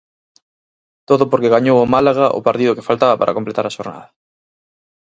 Todo porque gañou o Málaga o partido que faltaba para completar a xornada.